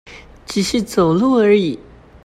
只是走路而已